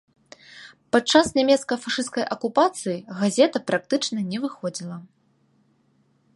Падчас нямецка-фашысцкай акупацыі газета практычна не выходзіла.